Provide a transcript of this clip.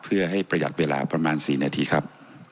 เพื่อให้ประหยัดเวลาประมาณ๔นาทีครับ